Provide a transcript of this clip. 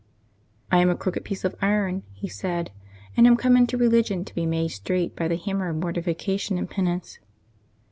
" I am a crooked piece of iron," he said, " and am come into religion to be made straight by the hammer of mortification and penance."